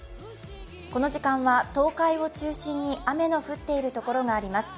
この時間は東海を中心に雨の降っているところがあります。